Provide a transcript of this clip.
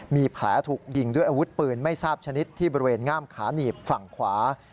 มีแผลถูกยิงด้วยอาวุธปืนไม่ทราบชนิดที่บริเวณง่ามขาหนีบฝั่งขวา